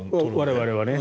我々はね。